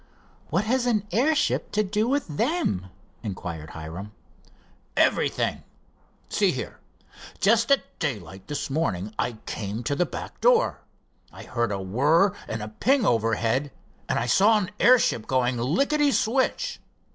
"What has an airship to do with them?" inquired Hiram. "Everything. See here, just at daylight this morning I came to the back door. I heard a whir and a ping overhead, and I saw an airship going licketty switch.